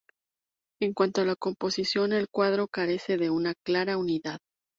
En cuanto a la composición, el cuadro carece de una clara unidad.